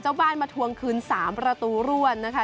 บ้านมาทวงคืน๓ประตูรวดนะคะ